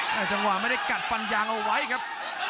เจ้ารัตภัณฑ์ไม่ได้กัดฟันยางเอาไว้ครับ